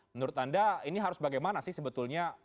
menurut anda ini harus bagaimana sih sebetulnya